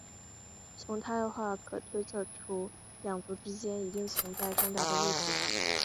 从她的话可推测出两族之间一定存在重大的误解。